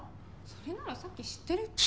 それならさっき知ってるって。